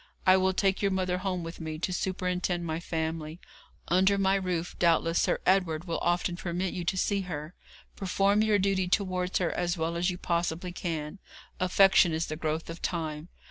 I will take your mother home with me to superintend my family. Under my roof doubtless Sir Edward will often permit you to see her. Perform your duty towards her as well as you possibly can. Affection is the growth of time.